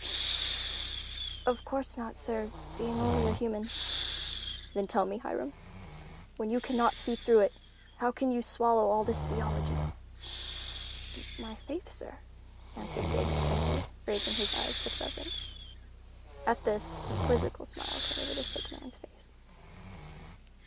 "Of course not, sir, being only a human." "Then tell me, Hiram, when you cannot see through it, how can you swallow all this theology?" "My faith, sir," answered Biggs, simply, raising his eyes with reverence. At this, a quizzical smile came over the sick man's face.